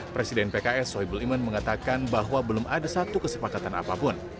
presiden pks soebul iman mengatakan bahwa belum ada satu kesepakatan apapun